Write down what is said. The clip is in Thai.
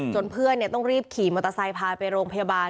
เพื่อนต้องรีบขี่มอเตอร์ไซค์พาไปโรงพยาบาล